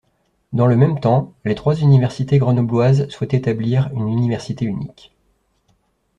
Dans le même temps, les trois universités grenobloises souhaitent établir une université unique.